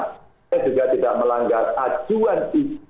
saya juga tidak melanggar acuan ini